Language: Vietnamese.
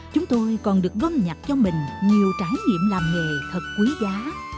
chúng tôi còn được gom nhặt cho mình nhiều trải nghiệm làm nghề thật quý giá